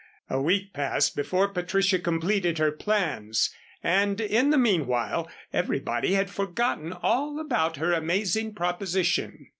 A week passed before Patricia completed her plans and in the meanwhile everybody had forgotten all about her amazing proposition.